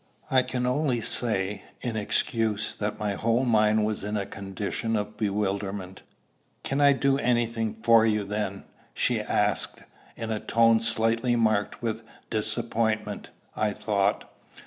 I can only say, in excuse, that my whole mind was in a condition of bewilderment. "Can I do any thing for you, then?" she asked, in a tone slightly marked with disappointment, I thought.